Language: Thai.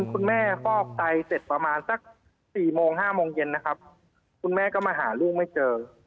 คุณแม่ฟอกไตเสร็จประมาณสัก๔โมง๕โมงเย็นนะครับคุณแม่ก็มาหาลูกไม่เจอ